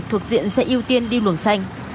thuộc diện sẽ ưu tiên đi lùng xanh